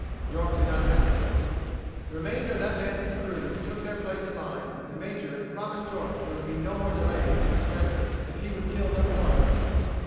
York did not hesitate. The remainder of that gun's crew took their place in line, and the major promised York there would be no more delays in the surrenders if he would kill no more of them.